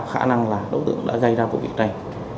khả năng là đối tượng đã gây ra vụ việc này